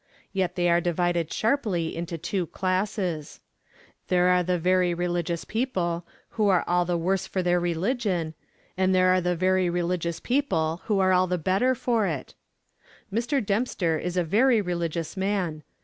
Yet they are divided sharply into two classes. There are the very religious people who are all the worse for their religion, and there are the very religious people who are all the better for it. Mr. Dempster is a very religious man.